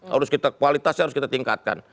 harus kita kualitasnya harus kita tingkatkan